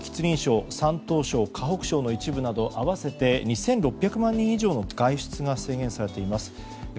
中国ではこのほか吉林省、山東省河北省の一部など合わせて２６００万人以上の外出が制限されています。